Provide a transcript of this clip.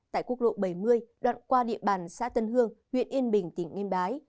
tại quốc lộ bảy mươi đoạn qua địa bàn xã tân hương huyện yên bình tỉnh yên bái